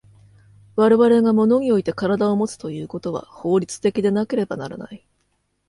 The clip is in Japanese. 我々が物において身体をもつということは法律的でなければならない。